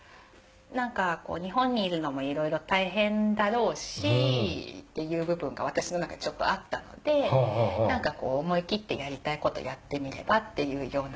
なんかこう日本にいるのも色々大変だろうしっていう部分が私の中にちょっとあったのでなんかこう思いきってやりたい事やってみればっていうような。